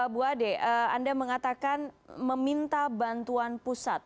bu ade anda mengatakan meminta bantuan pusat